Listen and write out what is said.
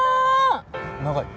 長い。